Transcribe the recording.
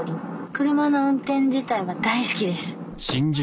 車の運転自体は大好きです。